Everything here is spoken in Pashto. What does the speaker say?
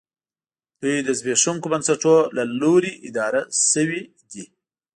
دوی د زبېښونکو بنسټونو له لوري اداره شوې دي